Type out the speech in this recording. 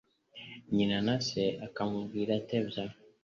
nyina na we akamubwira atebya